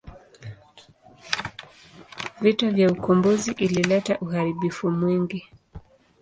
Vita ya ukombozi ilileta uharibifu mwingi.